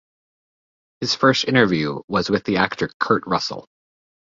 His first interview was with actor Kurt Russell.